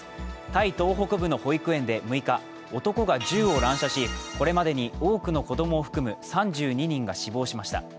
タイ東北部の保育園で６日、男が銃を乱射し、これまでに多くの子供を含む３２人が死亡しました。